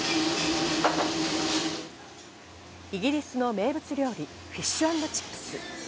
イギリスの名物料理・フィッシュアンドチップス。